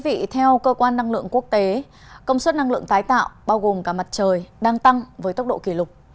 thưa quý vị theo cơ quan năng lượng quốc tế công suất năng lượng tái tạo bao gồm cả mặt trời đang tăng với tốc độ kỷ lục